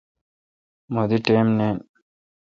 مہ دی ٹئم نین۔